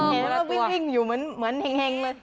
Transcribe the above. เอ้อเหรอเหมือนวิ่งห้ิงอยู่เหมือนแฮงเลย